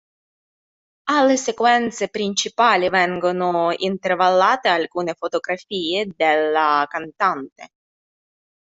Alle sequenze principali vengono intervallate alcune fotografie della cantante.